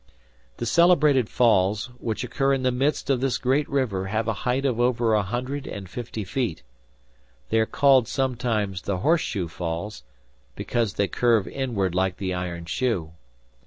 The celebrated falls, which occur in the midst of this great river have a height of over a hundred and fifty feet. They are called sometimes the Horse shoe Falls, because they curve inward like the iron shoe.